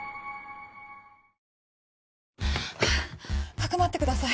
匿ってください